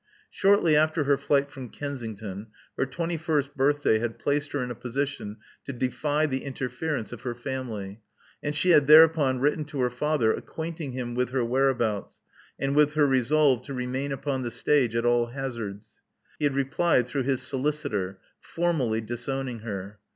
Shortly after her flight from Kensington, her twenty first birthday had placed her in a position to defy the interference of her family; and she had thereupon written to her father acquainting him with her where abouts, and with her resolve to remain upon the stage at all hazards. He had replied through his solicitor, formally disowning her.